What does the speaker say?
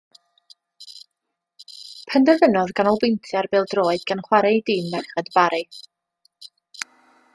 Penderfynodd ganolbwyntio ar bêl-droed gan chwarae i dîm merched y Bari.